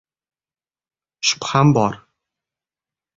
Shubham bor!